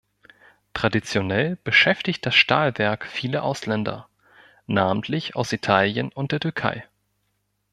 Traditionell beschäftigt das Stahlwerk viele Ausländer, namentlich aus Italien und der Türkei.